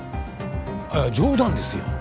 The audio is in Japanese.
あっいや冗談ですよ。